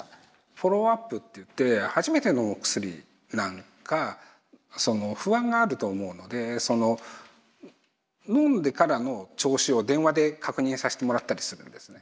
フォローアップっていって初めてのお薬なんか不安があると思うのでのんでからの調子を電話で確認さしてもらったりするんですね。